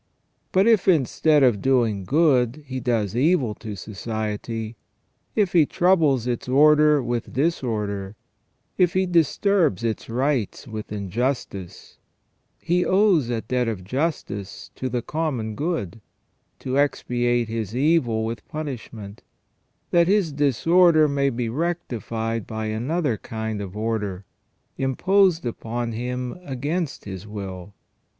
But if instead of doing good he does evil to society; if he troubles its order with disorder ; if he disturbs its rights with injustice, he owes a debt of justice to the common good, to expiate his evil with punishment, that his disorder may be rectified by another kind of order, imposed upon him against his will.